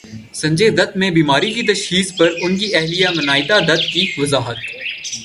سنجے دت میں بیماری کی تشخیص پر ان کی اہلیہ منائتا دت کی وضاحت